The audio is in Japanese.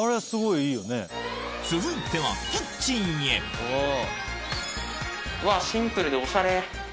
続いてはキッチンへシンプルでおしゃれ！